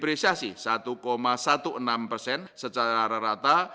pergerakan nilai tukar rupiah tersebut mencapai satu enam belas persen secara rata